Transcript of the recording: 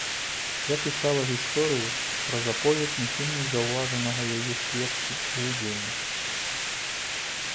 Я пісала гісторыю праз аповед нікім не заўважанага яе сведкі і ўдзельніка.